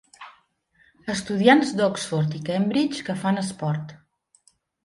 Estudiants d'Oxford i Cambridge que fan esport.